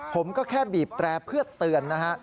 ผมก็แค่บีบแตรเพื่อเตือนนะฮะ